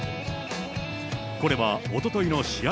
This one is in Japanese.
これはおとといの試合